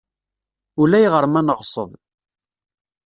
Ulayɣer ma neɣṣeb.